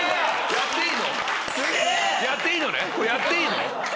やっていいの？